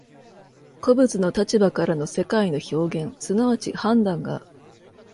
個物の立場からの世界の表現即ち判断が、